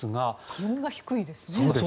気温が低いですね。